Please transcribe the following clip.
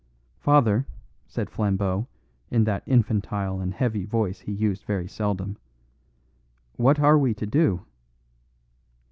"Father," said Flambeau in that infantile and heavy voice he used very seldom, "what are we to do?"